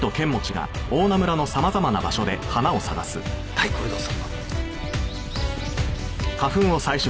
はいこれどうぞ。